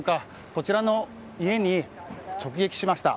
こちらの家に直撃しました。